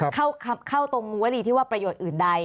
เข้าตรงงูวลีที่ว่าประโยชน์อื่นใด